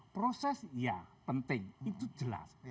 proses ya penting itu jelas